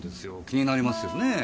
気になりますよねぇ？